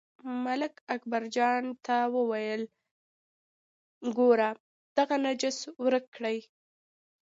ملک اکبرجان ته وویل، ګورئ دغه نجس ورک کړئ.